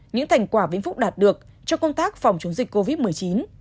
những thành quả vĩnh phúc đạt được trong công tác phòng chống dịch covid một mươi chín